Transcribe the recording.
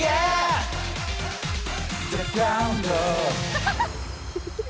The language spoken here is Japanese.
ハハハハ！